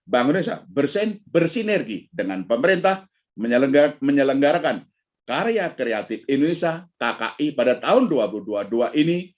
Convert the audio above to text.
bank indonesia bersinergi dengan pemerintah menyelenggarakan karya kreatif indonesia kki pada tahun dua ribu dua puluh dua ini